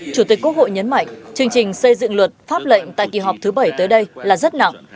chủ tịch quốc hội nhấn mạnh chương trình xây dựng luật pháp lệnh tại kỳ họp thứ bảy tới đây là rất nặng